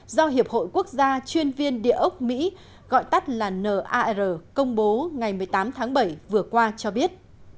do hiệp hội quốc gia chuyên viên địa ốc mỹ gọi tắt là nar công bố ngày một mươi tám tháng bảy vừa qua cho biết